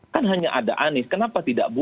kan hanya ada anis kenapa tidak boleh